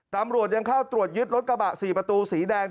ตำรวจยังเข้าตรวจยึดรถกระบะ๔ประตูสีแดง